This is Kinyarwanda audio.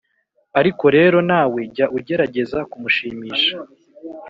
ariko rero nawe jya ugerageza kumushimisha.